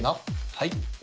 はい。